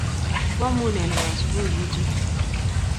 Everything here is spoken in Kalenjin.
Wamunee nebo asubuhi biichu?---